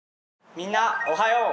みんなおはよう！